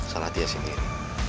salah dia sendiri